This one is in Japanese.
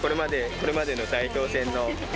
これまでの代表戦の。